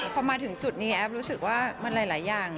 พอมาถึงจุดนี้แอฟรู้สึกว่ามันหลายอย่าง